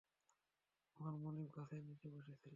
আমার মনিব গাছের নীচে বসেছিল।